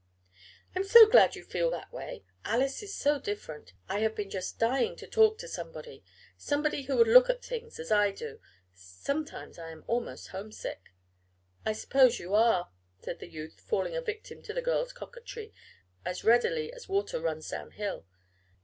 "I'm so glad you feel that way. Alice is so different, and I have been just dying to talk to somebody somebody who would look at things as I do. Sometimes I am almost homesick." "I suppose you are," said the youth, falling a victim to the girl's coquetry as readily as water runs down hill.